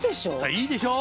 いいでしょう！